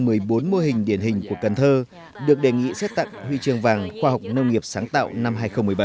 trên một mươi bốn mô hình điển hình của cần thơ được đề nghị xét tặng huy trường vàng khoa học nông nghiệp sáng tạo năm hai nghìn một mươi bảy